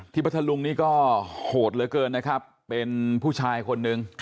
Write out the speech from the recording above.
พัทธลุงนี่ก็โหดเหลือเกินนะครับเป็นผู้ชายคนหนึ่ง